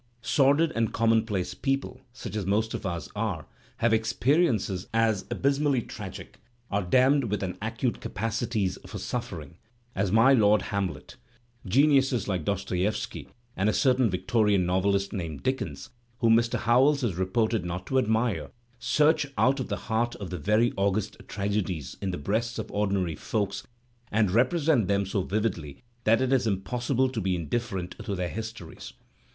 Sordid and conmionplace people, such as most of us are, have experiences as abysmally tragic, are damned . with as acute capacities for suffering, as my Lord Hamlet^ • Creniuses like Dostoievski and a certain Victorian novelist named Dickens, whom Mr. Howells is reported not to admire, search out the heart of the very august tragedies in the breasts of ordinary folks and represent them so vividly that it is impossible to be indifferent to their histories.